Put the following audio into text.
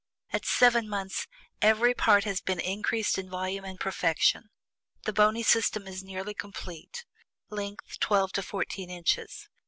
At SEVEN MONTHS, every part has been increased in volume and perfection; the bony system is nearly complete; length, twelve to fourteen inches.